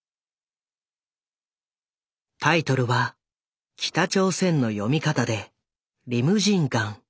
タイトルは北朝鮮の読み方で「リムジン江」。